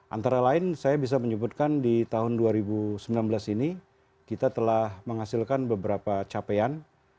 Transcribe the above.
antara lain saya bisa menyebutkan di tahun dua ribu sembilan belas ini kita telah menghasilkan beberapa capaian